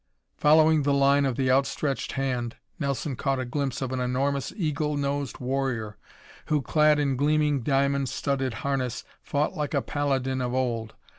Following the line of the outstretched hand. Nelson caught a glimpse of an enormous, eagle nosed warrior who, clad in gleaming, diamond studded harness, fought like a paladin of old.